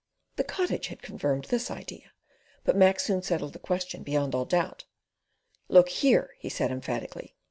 The Cottage had confirmed this idea, but Mac soon settled the question beyond all doubt. "Look here!" he said emphatically.